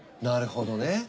なるほどね。